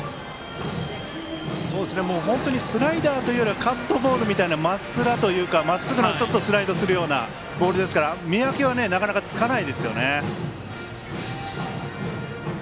スライダーというよりはカットボールというかまっスラというかまっすぐがちょっとスライドするボールですから見分けはなかなかつかないですね。